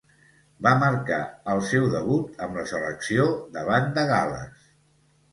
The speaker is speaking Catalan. Va marcar al seu debut amb la selecció, davant de Gal·les.